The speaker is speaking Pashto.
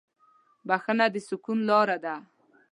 بښنه د سکون لاره ده.